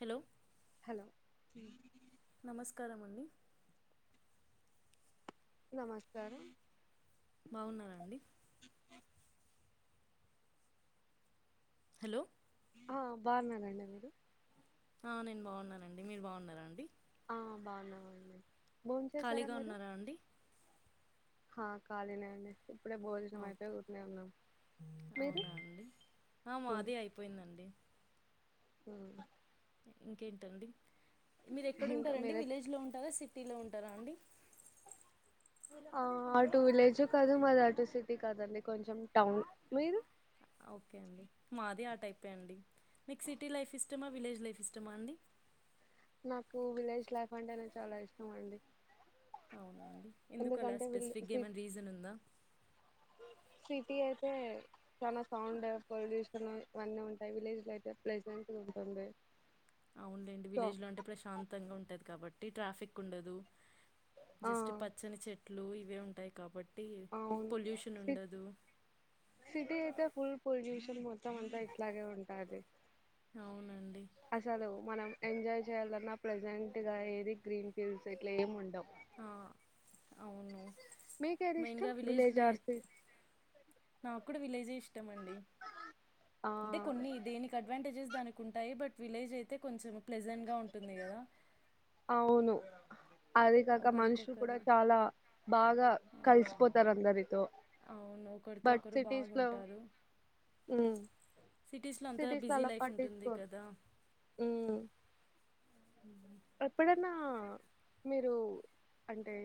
Hello hello నమస్కారం అండి నమస్కారం అవున అండి హలో ఆ బాగున్నారా అండి మీరు ఆ నేను బాగున్నానండి మీరు బాగున్నారా అండి ఆ బాగున్నామండి భోం చేసారా ఖాళీగా మీరు ఉన్నారా అండి ఆ ఖాళీనే అండి ఇప్పుడే భోజనం ఓకే అయిపోయి ఊరకనే ఉన్నాం మీరు అవునా అండి ఆ మాది అయిపోయిందండి ఉమ్ ఇంకేంటండి మీరు ఇంకా ఎక్కడుంటారండి మీరే విలేజ్లో ఉంటారా సిటీలో ఉంటారా అండి ఆ అటు విలేజ్ కాదు మాది అటు సిటీ కాదండి కొంచెం టౌన్ మీరు పెండి మీకు సిటీ లైఫ్ ఇష్టమా విలేజ్ లైఫ్ ఇష్టమా అండి నాకు విలేజ్ లైఫ్ అంటే నే చాలా ఇష్టం అండి అవునా ఎందుకు అలా ఎందుకంటే విల్ స్పెసిఫిక్గా సి ఏమైనా రీజన్ ఉందా సిటీ అయితే చాలా సౌండ్ పొల్యూషన్ ఇవన్నీ ఉంటాయి విలేజ్ లో అయితే ప్లేసంట్ ఉంటుంది అవునులేండి సో విలేజ్లో అంటే ప్రశాంతంగా ఉంటది కాబట్టి ట్రాఫిక్ ఉండదు ఆ జస్ట్ పచ్చని చెట్లు ఇవే ఉంటాయి కాబట్టి అవును పొల్యూషన్ సిట్ ఉండదు సిటీ ఐతే ఫుల్ పొల్యూషన్ మొత్తం అంతా ఇట్లాగే ఉంటాది అవునండి అసలు మనం ఎంజాయ్ చేయాలన్నా ప్రజెంట్గా ఏది గ్రీన్ ఫీల్డ్స్ ఇట్లా ఏమి ఉండవు ఆ అవును మీకేది ఇష్టం మెయిన్గా విలేజ్ లో ఆర్ సి నా కు కూడా విలేజ్ ఏ ఇష్టం అండి ఆ అంటే కొన్ని దేనికి అడ్వాంటేజెస్ దానికి ఉంటాయి బట్ విలేజ్ అయితే కొంచెం ప్లెజెంట్ గా ఉంటుంది కదా అవును అదే కాక మనుషులు కూడా ఒకరికొకరు చాలా బాగా ఆ, కలిసిపోతారు అందరితో అవును ఒకరితో బట్ ఒకరు సిటీస్ లో బాగుంటారు ఉమ్ సిటీస్ లో అంతగా బిజీ లైఫ్ ఉంటుంది కదా ఉమ్ ఎప్పుడన్నా మీరు అంటే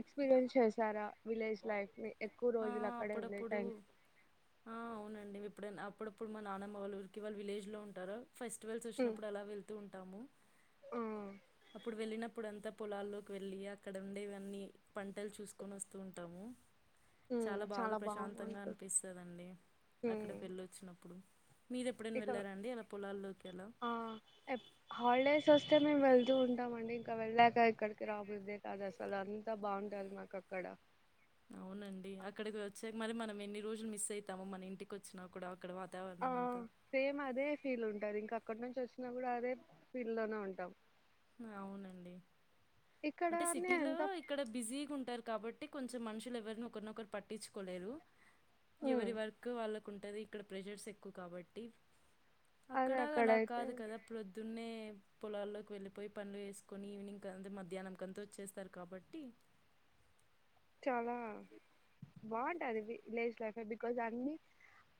ఎక్స్పీరియన్స్ చేసారా విలేజ్ లైఫ్ ని ఎక్కువ ఆ రోజులు అక్కడే ఉండే అప్పుడప్పుడు టైం ఆ అవునండి ఎప్పుడైనా అప్పుడప్పుడు మా నానమ్మ వాళ్ళ ఊరికి వాళ్ళు విలేజ్లో ఉంటారు ఫెస్టివల్స్ ఉమ్ వచ్చినప్పుడు అలా వెళ్తూ ఉంటాము ఆ అప్పుడు వెళ్ళిన ప్పుడు అంతా పొలాల్లోకి వెళ్ళి అక్కడ ఉండేవన్నీ పంటలు చూసుకొని వస్తూ ఉంటాము హ్మ్ చాలా బాగా ప్రశాంతంగా బాగుంటది అనిపిస్తదండి అక్కడ పెళ్ళి వచ్చినప్పుడు ఇటు ఆ ఎప్ హాలిడేస్ వస్తే మేము వెళ్తూ ఉంటామ అండి ఇంకా వెళ్ళాక ఇక్కడికి రాబుద్దె కాదు అసలు అంతా బాగుంటది మాకు అక్కడ అవునండి అక్కడికి వచ్చాక మరి మనం ఎన్ని రోజులు మిస్ అయితామో మన ఇంటికి వచ్చినా కూడా అక్కడ వా ఆ సేమ్ అదే ఫీల్ ఉంటది ఇంకా అక్కడ నుంచి వచ్చినా కూడా అదే ఫీల్ లోనే ఉంటాం అవునండి అంటే ఇక్కడనే సిటీలో ఎంత ఇక్కడ బిజీగా ఉంటారు కాబట్టి అే కొంచెం మనుషులు ఎవరిని ఒకరినొ ఒకరు పట్టించుకోలేరు హ్మ్ ఎవరి వర్క్ వాళ్ళకు ఉంటుంది ఇక్కడ ప్రెషర్స్ ఎక్కువ కాబట్టి అదే అక్కడా అలా అక్కడయితే కాదు కదాప్పుొద్దున్నే పొలాల్లోకి వెళ్ళిపో పోయి పనులు వేసుకొని ఈవినింగ్ అ మధ్యాహ్నంకంత వచ్చేస్తారు కాబట్టి చాలా బాగుంటుంది విలేజ్ లైఫ్ బికాజ్ అన్నిీ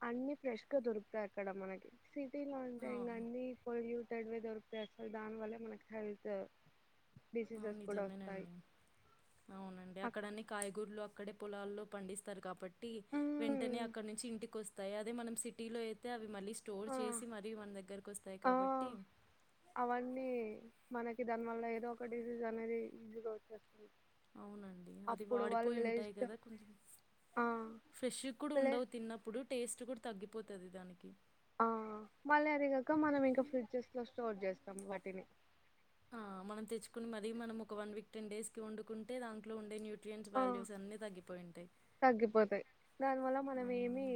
అన్నిీ ఫ్రెష్ గా దొరుకుతాారు అక్కడ మనకి వటీలో ఆ, ఉంటే ఇంకా అన్నిీ పొ్యూటెడ్వే దొరుకుతాయి అసలు దాని వల్ల మనకు హెల్త్ అవును డిసీజెస్ కూడా వస్తాయి నిజమేనండి అవునండి అక్కడన్న కాయ గుర్లు అక్కడే పొలాల్లో పండిస్తారు కాబట్టి వెంటనే హ్మ్ అక్కడ నుంచి ఇంటికి వస్తాయి అదే మనం సిటీలో అయితే అవి మళ్లీ స్టోర్ ఆ చేసి మన దగ్గరకు వస్తాయి ఆ కాబట్టి అవన్నీ మనకి దాని వల్ల ఏదో ఒక డిసీజ్ అనేది ఈజీగా వచ్చేస్తుంది అవునండి అది అప్పుడు వాళ్ళు వాడిపోయి ఉంటాయి విలేజ్‌లో కదా కొంచెం ఆ! ఫ్రెష్ కూడా విలే ఉండవు తిన్నప్పుడు టేస్ట్ కూడా తగ్గిపోతుంది దానికి ఆ మళ్ళీ అదిగాక మనం ఇంకా ఫ్రిడ్జెస్ లో స్టోర్ చేస్తాం వాటిని ఆ మనం తెచ్చుకుని మది మనం ఒక వన్ వీక్ టెన్ డేస్ కి వండుకుంటే దాంట్లో ఉండే న్యూ న్స్ ఆ! వాల్యూస్ అన్ని తగ్గి తగ్గిపోతాయి దానివల్ల ఆ మనం ఏమి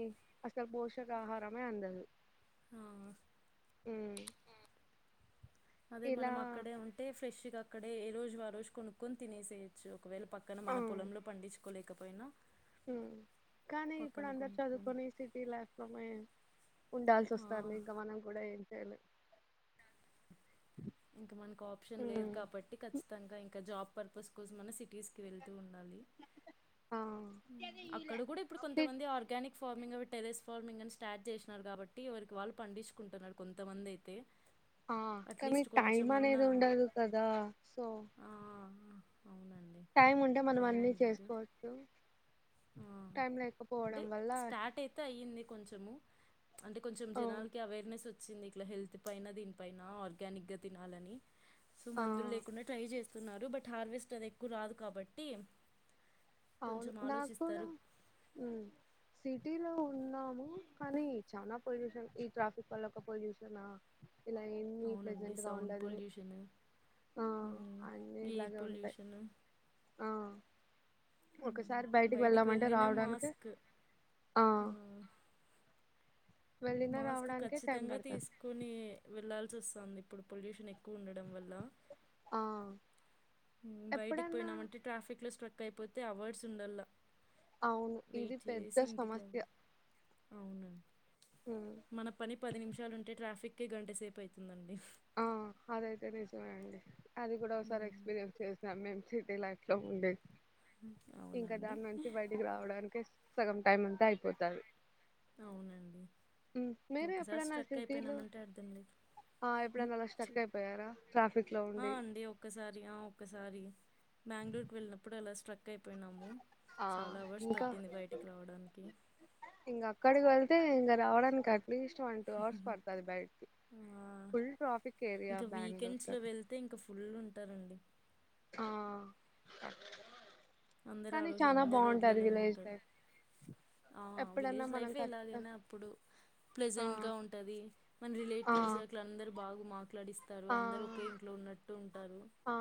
అసలు పోష ప ఆహారమే అందదు ఆ హుమ్ అదే మనం అక్కడే ఉంటే ఫ్రెష్గా అక్కడే ఏ రోజు వ రోజు కొనుక్కొని తినేసేయచ్చు ఒకవేళ పక్కన ఆ! మన పొలంలో పండించుకోలేకపోయినా కానీ ఇప్పుడు పక్కన అందరు కొనుక్కొని చదువుకొని సిటీ లైఫ్ లో మ ఉండాల్సి ఆ వస్తారు మీ గమనం కూడా ఏం చేయలే ఇంకా మనకి ఆప్షన్ లేదు కాబట్టి ఖచ్చితంగా ఇంకా జాబ్ పర్పస్ కోసం మన సిటీస్ కి వెళ్ ఆ! అక్కడ కూడా ఇప్పుడు సి కొంతమంది ఆర్గానిక్ ఫార్మింగ్ అవి టెరెస్ ఫార్మింగ్ అని స్టార్ట్ చేసినారు కాబట్టి ఎవరికి వాళ్ళు పండించుకుంటున్నారు కొంతమంది అయితే ఆ కానీ అట్లీస్ట్ టైం కొంచెమన్నా అనేది ఉండదు కదా సో ఆ, అవునండి టైం ఉంటే మనం టైం అన్నిీ ఉండదు చేసుకోవచ్చు ఆ, టైం అంటే లేకపోవడం వల్ల స్టార్ట్ అయితే అయ్యింది కొంచెము అంటే కొంచెం ఆ జనాలకి అవేర్నెస్ వచ్చింది ఇట్లా హెల్త్ పైన దీనిపైన ఆర్గానిక్గా తినాలని సో ఆ మందులు లేకుండా ట్రై చేస్త వస్తున్నారు బట్ హార్వెస్ట్ అది ఎక్కువ రాదు కాబట్టి అవును నాకు కూడా తరు ఉమ్ సిటీలో ఉన్నాము కానీ చాలా పొల్యూషన్ ఈ ట్రాఫిక్ వాల్ల ఒక పొల్యూషనా ఇలా ఎన్ని అవునండి ప్రజెంట్ గా సౌండ్ ఉండదు పొల్యూషన్ ఆ అన్నీ ఎయిర్ ఇలాగే ఉంటాయి పొల్యూషన్ ఆ ఒకసారి బయటికి వెళ్ళామంటే వెళ్ళిన రావడానికి మాస్క్ ఆ వెళ్ళినా మాస్క్ రావడానికే టైం ఖచ్చితంగా పడుతది తీసుకుని వెళ్ళాలి వస్తుంది ఇప్పుడు పొల్యూషన్ ఎక్కువ ఉండడం వల్ల ఆ బయటికి ఎప్పుడన్నా పోయినామంటే ట్రాఫిక్ లో స్ట్రక్ అయిపోతే అవర్డ్స్ ఉండల్లా అవును ఇది పెద్ద సమస్య రావాలి అవునండి ఉమ్ మన పని పది నిమిషాలుంటే ట్రాఫిక్కిే గంట సేపు అవుతుందండి ఆ అదైతే నిజమేనండి అది కూడా ఒకసారి ఉమ్, ఎక్స్పీరియన్స్ చేసినాం మేము సిటీ లట్ లో ఉండంది అవునా ఇంకా అండి దాని నుంచి బయటికి రావడానికి సగం టైమ్ అంతా అయిపోతుంది అవునండి ఒకసారి ఎప్పుడైనా స్ట్రక్ సిటీలో అయిపోయినామంటే అర్థం లేదు ఆ ఎప్పుడైంద అ స్ట్రక్ ఉమ్, అయిపోయారా లో ఆ ఉండి అండి ఒక్కసారి ఆ ఒక్కసారి బెంగళూరుకి వెళ్ళినప్పుడు అలా ట్రక్ అయిపోయినాము ఆ చాలా అవర్స్ ఇంకా పట్టింది బయటికి రావడానికి. ఇంగా అక్కడికి వెళ్ తే ఇంగ రావడానికి అట్లీస్ట్ వన్ టూ అవర్స్ పడుతది బయటకి ఆ! ఫుల్ ట్రాఫిక్ ఏరియా ఇంకా బ్యాంగ్లూరుత వీకెండ్స్‌లో వెళ్తే ఇంకా ఫుల్ ఉంటారండి. ఆ తక్ అందరు ఆరోజు అందరు రోడ్లలోనే ఉంటారు లైఫ్ ఆ ఎప్పుడన్నా విలేజ్ మనం లైఫే కష్ట ఎలాగైనా అప్పుడు ఆ ప్లజెంట్ గా ఉంటది మన రిలే ఆ టీసే అందరు బాగు మాట్లాడిస్తారు అందరు ఒకే ఆ ఇంట్లో ఉన్నట్టు ఉంటారు ఆ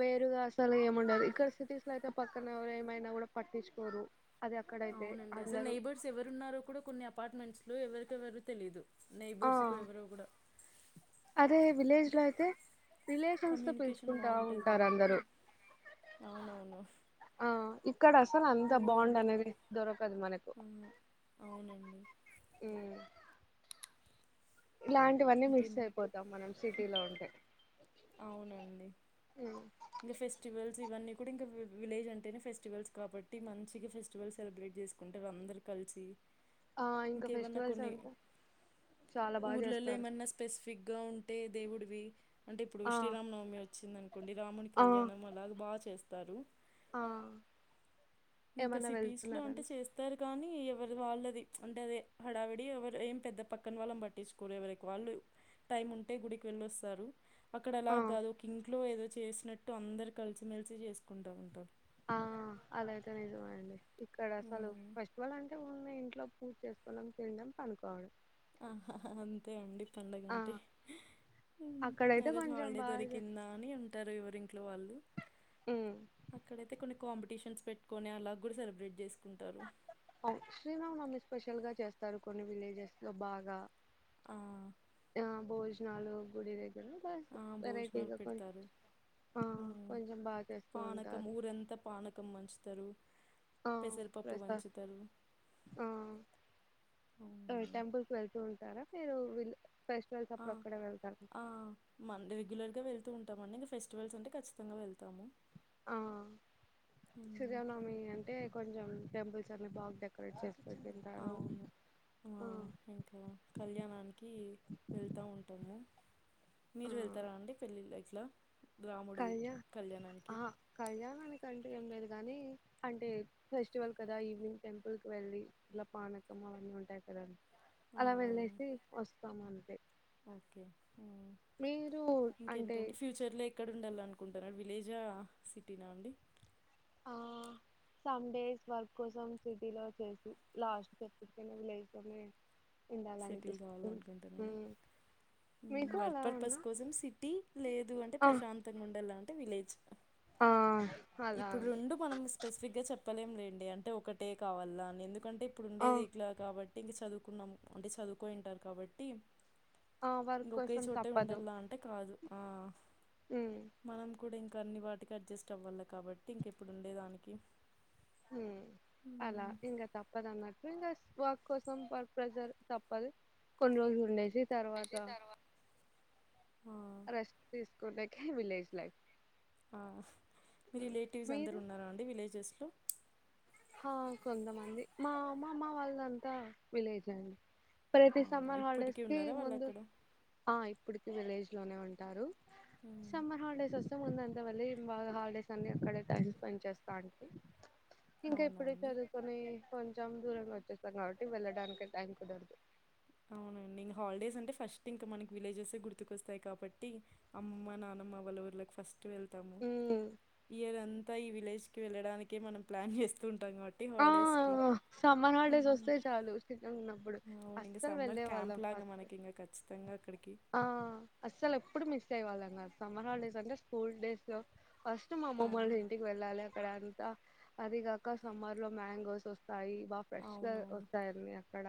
వేరుగా అసలు ఏముండదు ఇక్కడ సిటీస్ లో అయితే పక్కన ఎవరు ఏమైనా కూడా పట్టించుకోరు అది అక్కడైతే అవునండి అసలు అందరూ నెయిబర్స్ ఎవరున్నారో కూడా కొన్ని అపార్ట్మెంట్స్ లో ఎవరికెవ్వరు తెలీదు ఆ నైబర్స్ కూడా ఎవరో కూడా. అదే విలేజ్ లో అయితే రిలేషన్స్ తో కమ్యూనికేషన్ పిలుచుకుంటా బాగుంటది ఉంటారు కాబట్టి అందరూ అవునవును ఆ ఇక్కడ అసలు అంత బాండ్ ఊరంతా అనేది దొరకదు మనకు ఆ! అవునండి మ్మ్ ఇలాంటివన్నీ మిస్ ఇంకేం అయిపోతాం మనం సిటీలో ఉంటే అవునండి ఉమ్ ఇంగా ఫెస్టివల్స్ ఇవన్నీ కూడా ఇంకా వి విలేజ్ జ్ అంటేనే ఫెస్టివల్స్ కాబట్టి మంచిగా ఫెస్టివల్స్ సెలబ్రేట్ చేసుకుంటరు అందరు కలిసి ఆ ఇంకా ఇంకేమన్నా ఫెస్టివల్స్ కొన్ని అంటే చాలా బాగా ఊర్లలో చేస్తారు ఏమన్ ఫిక్ గా ఉంటే దేవుడివి అంటే ఇప్పుడు ఆ శ్రీరామ నవమి వచ్చిందను కొండి రాముని ఆ కళ్యాణం అలాగా బాగా చేస్తారు ఆ ఇంకా ఏమన్నా సిటీస్ లో వెళ్తున్నారా అంటే చేస్తారు కానీ ఎవరి వాళ్ళది అంటే అదే హడావిడి ఎవరు ఏం పెద్ద పక్కన వాళ్ళని పట్టిచ్చుకోరు ఎవరికి వాళ్ళు టైమ్ ఉంటే గుడికి వెళ్ళొస్తారు అక్కడ ఆ అలాగాదు ఒక ఇంట్లో ఏదో చేసినట్టు అందరు కలిసిమెలిసి చేసుకుంటా ఉంటారు ఆ అలాయితే నిజమండి ఇక్కడ అసలు హ్మ్. ఫస్ట్ వాల్ అంటే ఉన్నాయి ఏంటి లో పూజ చేసుకోవడం తినడం పనుకోవడం ఆ అంతే అండి ఆ పండగంటే మ్మ్ ఆ అక్కడైతే రోజు కొంచెం హాలిడే బాగా దొరికిందా అని ఉంటారు ఎవరిన్ ట్లో వాళ్ళు ఉమ్ అక్కడైతే కొన్ని కాంపిటీషన్స్ పెట్టుకుని అలా గూడా సెలబ్రేట్ చేస్ ఆ శ్రీరామనమి స్పెషల్ గా చేస్తారు కొన్ని విలేజెస్ లో బాగా ఆ! ఆ భోజనాలు గుడి దగ్ బస్ ఆ భోజనాలు వెరైటీగా కొంచ్ పెడతారు ఆ ఉమ్, కొంచెం బా చేస్తూ పానకం ఉంటారు ఊరంతా పానకం పంచుతారు ఆ పెసరపప్పు ఫ్రెసా పంచుతారు ఆ అవునండి. టెంపుల్ కు వెళ్తు ఉంటారా మీరు విల్ ఫెస్టివల్స్ ఆ అప్పుడు ఒక్కడే వెళ్తారా ఆ మన్ రెగ్యులర్గా వెల్ తువుంటామండి ఇంగా ఫెస్టివల్స్ అంటే కచ్చితంగా వెళ్తాము ఆ ఉమ్, సుజనవమి అంటే కొన్ టెంపుల్స్ అన్ని బాగ్ డెకరేట్ చేస్ తుంటారు అవును ఆ ఇంకా కళ్యాణానికి వెళ్తా ఉంటాము ఆ మీరు వెళ్తారా అండి పెళ్ళిళ్ ఇట్లా రాముడి కళ్యా కళ్యాణానికి ఆహా కళ్యానానికి అంటే ఏం లేదు కాని అంటే ఫెస్టివల్ కదా ఈవినింగ్ టెంపుల్ కి వెళ్ళి ఇట్లా పానకం అవన్నీ ఉంటాయి కదండి అలా ఆ, వెళ్లేసి వస్తామండి ఓకే మ్మ్ మీరు ఇంకేంటి అంటే అండి ఫ్యూచర్ లో ఎక్కడ ఉండల్ అనుకుంటన్నారు విలేజా సిటీనా అండి ఆ సమ్ డేస్ వర్క్ కోసం సిటీ లో చేసి లాస్ట్ [unintelligible] సెటిల్ ఉండాలనిపిస్తుంది కావాలనుకుంటున్నాను. ఉమ్, ఉమ్ మీకు వర్క్ అలా పర్పస్ ఉన్నా కోసం సిటీ లేదు అంటే ఆ ప్రశాంతంగా ఉండాలంటే విలేజ్. ఆ అలా ఇప్పుడు రెండు మనం స్పెసిఫిక్ గా చెప్. విఫలయం లేండి అంటే ఒకటే కావాలాని ఎందుకంటే ఇప్పుడు ఆ ఉండేది ఇట్లా కాబట్టి ఇంక చదువుకున్నాం. అంటే చదువుకోయింటారు కాబట్టి. ఆ వర్క్ ఇంకా ఒకే కోసం చోటే తప్పదు ఉండలా అంటే కాదు. ఆహ్ ఉమ్ మనం కూడా ఇంకా. ఇంకా అన్ని వాటికి అడ్జస్ట్ అవ్వాలి. కాబట్టి ఇంకేప్పుడు ఉండే దానికి. ఉమ్ అలా ఇంకా తప్పదా అన్నట్. ఇంకా వర్క్ కోసం వర్క్ ప్రెజర్ తప్పదు కొన్ని రోజులు ఉండేసి. తర్వాత ఆ! రెస్ట్ తీసుకోవటానికే విలేజ్ లైఫ్. ఆహ్ మీ హ్మ్. రిలేటివ్స్ అందరు మీరు ఉన్నారా అండి విలేజెస్లో. ఆహ్ కొంతమంది మా అమ్మ అమ్మ వాళ్ళంతా విలేజ్ అండి. ప్రతి అవునా! సమ్మర్ ఇప్పటికీ హాలిడేస్ కి ఉన్నారా ముందు వాళ్ళక్కడ? ఆహ్ ఇప్పటికి విలేజ్ లోనే ఉంటారు. హ్మ్. సమ్మర్ హాలిడేస్ వస్త్. ఇష్టం ఉన్నంతవెల్లి బాగా హాలిడేస్ అన్ని అక్కడ టైం స్పెండ్ చేస్తాండి. ఇంకా అవునా ఇప్పుడే అండి? చదువుకొని కొంచెం దూరం వచ్చేస్తాం కాబట్టి వెళ్ళడానికి టైం కుదరదు. అవునండి ఇంకా హాలిడేస్ అంటే ఫస్ట్ ఇంకా మనకి విలేజెసే గుర్తుకొస్తాయి కాబట్టి అమ్మ నాన్న. అమ్మ అవల్లురులకు ఫస్ట్. వెళ్తాము. హ్మ్ ఇయర్ అంతా ఈ విలేజ్ కి వెళ్లడానికి మనం ప్లాన్ చేస్తూ ఉంటా ఆహ్ సమ్మర్ హాలిడేస్ హ్మ్. వస్తే చాలు చిన్నగా ఉన్నప్పుడు అవును. ఇంక అస్స. సమ్మర్ వెళ్ళేవాళ్ళం క్యాంప్‌లాగా ఫస్ట్ మనకింక ఖచ్చితంగా అక్కడికి. ఆహ్ అసలు ఎప్పుడు మిస్. [unintelligible] సమ్మర్ హాలిడేస్ అంటే స్కూల్ డేస్ లో ఫస్ట్ మా ఆ! అమ్మమ్మోళ్ళీంటికి వెళ్ళాలి అక్కడ. అదిగాక సమ్మర్ లో మ్యాంగోస్ వస్త. అయి బాగా ఫ్రెష్ గా వస్తాయి అండి అక్కడ.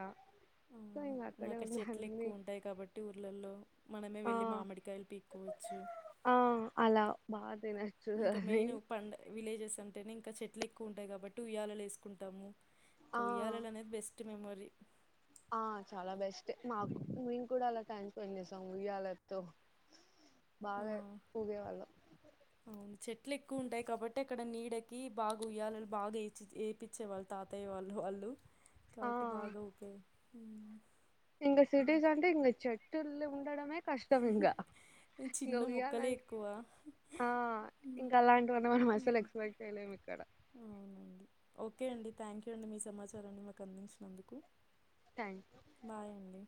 సో ఇంక ఉమ్ అక్కడే అక్కడ ఉన్న చెట్లు అన్ని ఎక్కువ ఉంటాయి కాబట్టి ఊర్లల్లో. మనమే ఆ వెళ్ళి మామిడికాయలు పీక్కోవచ్చు. ఆ అలా బాగా తినొచ్చు ఇంకా అని మెయిన్ పండహ్. విలేజెస్ అంటేనే ఇంకా చెట్లు ఎక్కువ ఉంటాయి. కాబట్టి ఉయ్యాలలు వేసుకుంటాము ఇంకా ఉయ్యాలలు అనేది బెస్ట్. మెమొరీ. ఆహ్ చాలా బెస్ట్ మాకు మేము కూడా అలా టైం స్పెండ్ చేస్తాం ఉయ్యాలతో. ఆ బాగా ఊగేవాళ్ళం. అవును చెట్లు ఎక్కువ ఉంటాయి కాబట్టే అక్కడ నీడకి బాగా ఉయ్యాలు బాగా ఏయిచి ఎపీచ్చేవాళ్ళు తాతయ్య వాళ్ళు వాళ్ళు. ఆ కాబట్టి బాగా ఊపేవా ఇంగ సిటీస్ అంటే ఇంగ చెట్ల్ ఉండడమే కష్టం ఇంగా. ఇంకా చిన్న ఉయ్యాల మొక్కలే అంటే ఎక్కువ ఆహ్ ఇంకా అలాంటివన్నా మనం అసలు ఎక్స్పేక్ట్ చేయలేము ఇక్కడ. అవునండి ఓకే అండి థ్యాంక్ యూ అండి మీ సమాచారాన్ని మాకు అందించినందుకు. థ్యాంక్ బాయ్ అండి.